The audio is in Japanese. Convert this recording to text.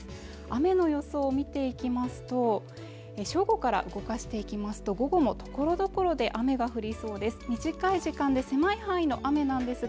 雨の予想見ていきますと正午から動かしていきますと午後もところどころで雨が降りそうです